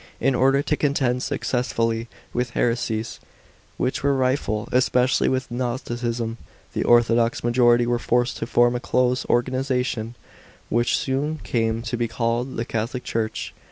In order to contend successfully with heresies, which were rife, especially with Gnosticism, the orthodox majority were forced to form a close organisation, which soon came to be called the " Catholic Church."